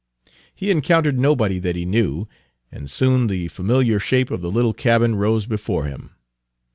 He encountered nobody that he knew, and soon the familiar shape of the little cabin rose before him.